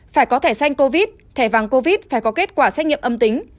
phải có thẻ xanh covid thẻ vàng covid phải có kết quả xét nghiệm âm tính